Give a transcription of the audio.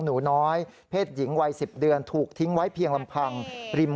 น้อยนี้น้อยนี้นี่ไงนะครับ